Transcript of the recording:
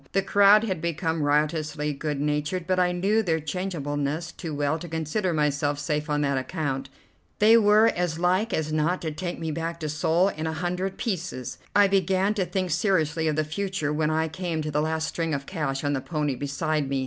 The crowd had become riotously good natured, but I knew their changeableness too well to consider myself safe on that account. They were as like as not to take me back to Seoul in a hundred pieces. I began to think seriously of the future when I came to the last string of cash on the pony beside me.